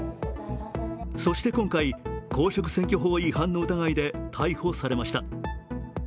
そして今回、公職選挙法違反の疑いで逮捕されました。